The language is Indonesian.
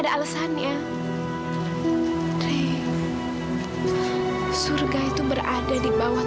lama lama jangan nafal